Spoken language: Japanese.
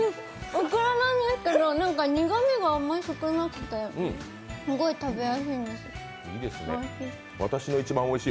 オクラなんですけど、苦みが少なくてすごい食べやすいんです、おいしい。